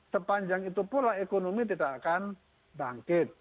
sepanjang itu pula ekonomi tidak akan bangkit